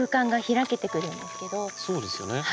そうですよね。